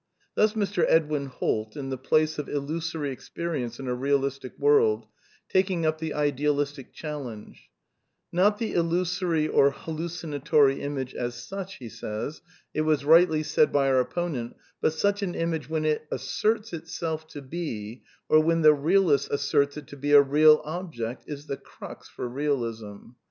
(Pp. 85 86.) Thus Mr. Edwin Holt in The Place of Illusory Expe rience in a Realistic World, taking np the idealistic chal lenge: — ^Not the illusory or hallucinatory image as such, it was rightly said by our opponent, but such an image when it asserts itself to he, or when the realist asserts it to he sl real object, is the crux for realism." (The New Bealism, p. 356.)